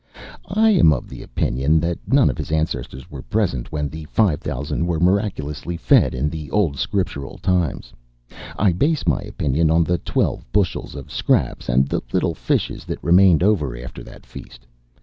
I am of the opinion that none of his ancestors were present when the five thousand were miraculously fed in the old Scriptural times. I base my opinion on the twelve bushels of scraps and the little fishes that remained over after that feast.